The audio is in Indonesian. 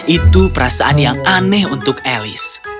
itu perasaan yang aneh untuk elis